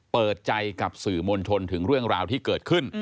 เปิดใจกับสื่อมวลชนถึงเรื่องราวที่เกิดขึ้น